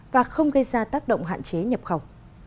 và không gây ra tác động hạn chế nhập khẩu